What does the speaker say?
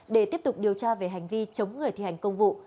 để tiếp tục điều tra về hành vi chống người thi hành công vụ